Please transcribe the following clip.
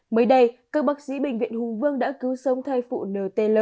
mới đây các bác sĩ bệnh viện hùng vương đã cứu sống thai phụ nt